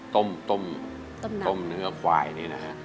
ต้มเนื้อควายนี้นะครับ